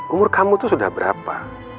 umur kamu itu sudah berapa